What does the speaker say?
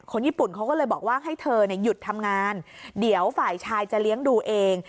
ญี่ปุ่นเขาก็เลยบอกว่าให้เธอหยุดทำงานเดี๋ยวฝ่ายชายจะเลี้ยงดูเอง